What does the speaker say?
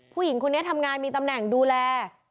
ผู้หญิงคนนี้ทำงานมีตำแหน่งดูแล